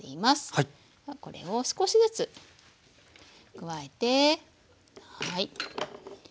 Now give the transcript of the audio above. これを少しずつ加えてはい。